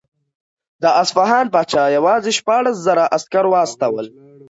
د اصفهان پاچا یوازې شپاړس زره عسکر واستول.